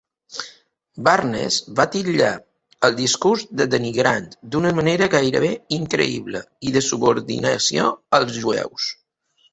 Barnes va titllar el discurs de "denigrant d'una manera gairebé increïble" y de "subordinació" als jueus.